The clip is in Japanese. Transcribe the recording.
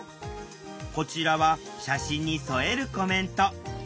こちらは写真に添えるコメント。